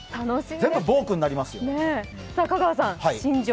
全部ボークになりますよ。